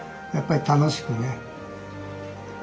やっぱり楽しくね。